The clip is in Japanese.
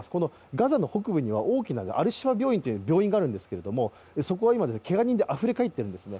ガザの北部には、大きな病院があるんですけれどもそこは今、けが人であふれかえっているんですね。